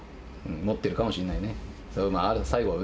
持っているかもしれないね。